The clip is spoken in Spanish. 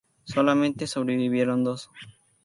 Solamente sobrevivieron dos.